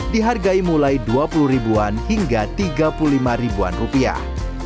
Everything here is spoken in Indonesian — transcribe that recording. dihargai mulai dua puluh ribuan hingga tiga puluh lima ribuan rupiah